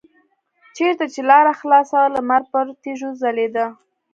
چېرته چې لاره خلاصه وه لمر پر تیږو ځلیده.